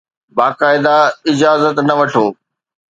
باقاعده اجازت نه وٺو